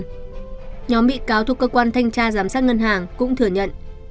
nhóm bị cáo thuộc cơ quan thanh tra giám sát ngân hàng cũng thừa nhận